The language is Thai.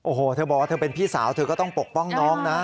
โอ้โหเธอบอกว่าเธอเป็นพี่สาวเธอก็ต้องปกป้องน้องนะ